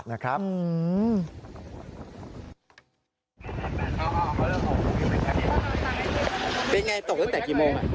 เป็นอย่างไรตกตั้งแต่กี่โมงอ่ะ